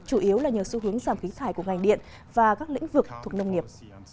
chủ yếu là nhờ xu hướng giảm khí thải của ngành điện và các lĩnh vực thuộc nông nghiệp